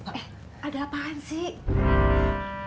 eh ada apaan sih